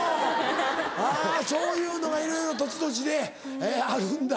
あぁそういうのがいろいろ土地土地であるんだ。